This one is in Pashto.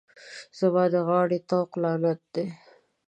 زما د غاړې طوق لعنت دی.